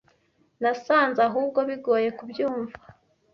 Nasanze ahubwo bigoye kubyumva.